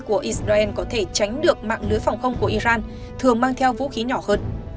của israel có thể tránh được mạng lưới phòng không của iran thường mang theo vũ khí nhỏ hơn